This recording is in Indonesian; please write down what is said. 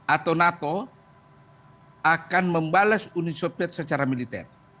atau nato akan membalas uni soplet secara militer